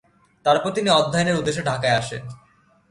তারপর তিনি অধ্যয়নের উদ্দেশ্যে ঢাকায় আসেন।